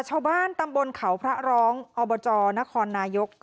ชาวบ้านตำบลเขาพระร้องอบจนครนายก